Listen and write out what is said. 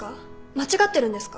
間違ってるんですか？